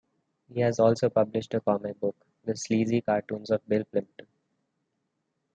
He has also published a comic book, "The Sleazy Cartoons of Bill Plympton".